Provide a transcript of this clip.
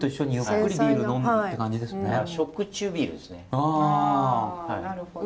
あなるほど。